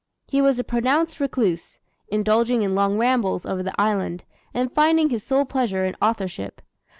He was a pronounced recluse, indulging in long rambles over the island, and finding his sole pleasure in authorship.